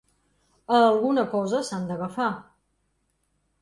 A alguna cosa s’han d’agafar.